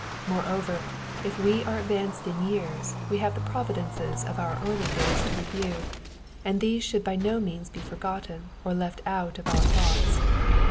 Moreover, if we are advanced in years we have the providences of our early days to review, and these should by no means be forgotten or left out of our thoughts.